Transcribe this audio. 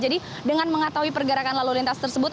jadi dengan mengetahui pergerakan lalu lintas tersebut